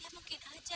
ya mungkin aja